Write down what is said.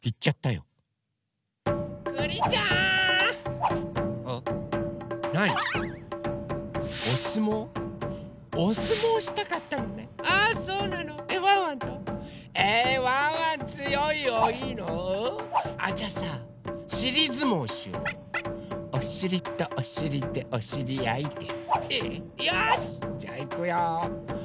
よしじゃあいくよ！